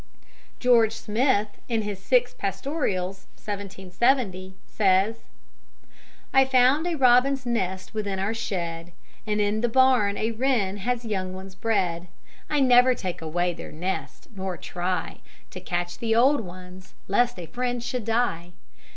'" George Smith, in his Six Pastorals (1770), says: "I found a robin's nest within our shed, And in the barn a wren has young ones bred; I never take away their nest, nor try To catch the old ones, lest a friend should die.